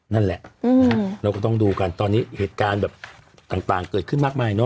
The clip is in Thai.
นั่นแหละเราก็ต้องดูกันตอนนี้เหตุการณ์แบบต่างเกิดขึ้นมากมายเนอ